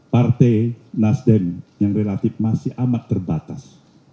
partai nasdem yang relatif masih amat terbatas